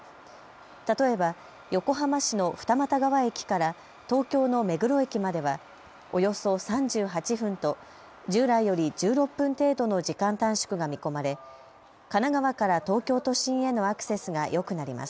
例えば横浜市の二俣川駅から東京の目黒駅まではおよそ３８分と従来より１６分程度の時間短縮が見込まれ神奈川から東京都心へのアクセスがよくなります。